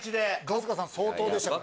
春日さん相当でしたよ。